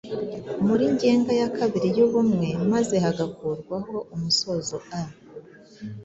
muri ngenga ya kabiri y’ubumwe maze hagakurwaho umusoza “a”.